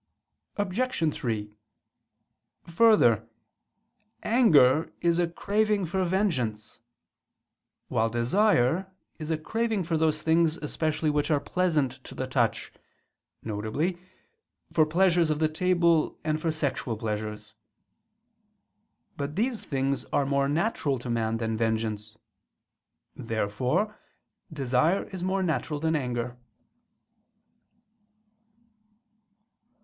Obj. 3: Further, anger is a craving for vengeance: while desire is a craving for those things especially which are pleasant to the touch, viz. for pleasures of the table and for sexual pleasures. But these things are more natural to man than vengeance. Therefore desire is more natural than anger.